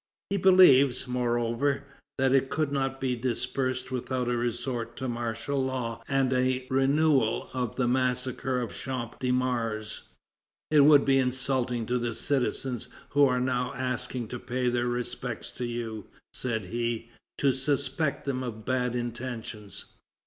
He believes, moreover, that it could not be dispersed without a resort to martial law and a renewal of the massacre of the Champ de Mars. "It would be insulting to the citizens who are now asking to pay their respects to you," said he, "to suspect them of bad intentions...